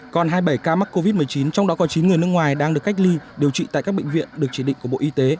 còn hai mươi bảy ca mắc covid một mươi chín trong đó có chín người nước ngoài đang được cách ly điều trị tại các bệnh viện được chỉ định của bộ y tế